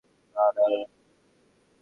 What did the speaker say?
না, না, না, আমি ঠিক আছি।